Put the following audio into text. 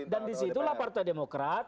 dan disitulah partai demokrat